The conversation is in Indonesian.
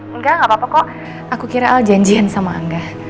enggak enggak apa apa kok aku kira janjian sama angga